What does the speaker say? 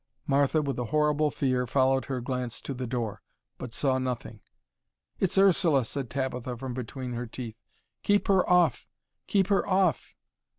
Martha, with a horrible fear, followed her glance to the door, but saw nothing. "It's Ursula," said Tabitha from between her teeth. "Keep her off! Keep her off!"